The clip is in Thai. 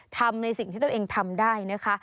ทำในสิ่งที่ตัวเองทำได้นะคะ